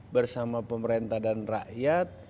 bersama pemerintah dan rakyat